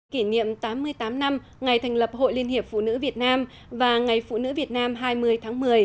kỷ niệm tám mươi tám năm ngày thành lập hội liên hiệp phụ nữ việt nam và ngày phụ nữ việt nam hai mươi tháng một mươi